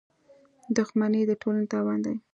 • دښمني د ټولنې تاوان دی.